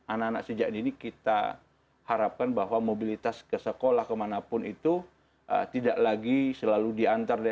anak anak sejak dini kita harapkan bahwa mobilitas ke sekolah kemanapun itu tidak lagi selalu diantar